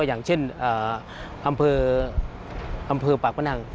อย่างเช่นอำเภอปากพนัง